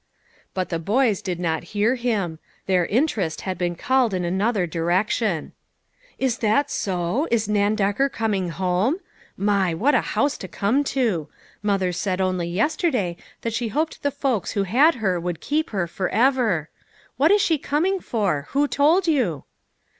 But the boys did not hear him ; their interest * had been called in another direction. " Is that so ? Is Nan Decker coming home ? My ! What a house to come to. Mother said only yesterday that she hoped the folks who had her would keep her forever. What is she coming for? Who told you?"